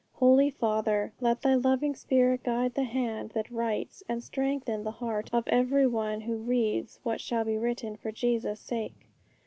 Holy Father, let Thy loving spirit guide the hand that writes, and strengthen the heart of every one who reads what shall be written, for Jesus' sake.